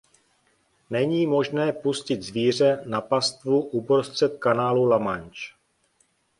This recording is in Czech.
Není možné pustit zvíře na pastvu uprostřed kanálu La Manche.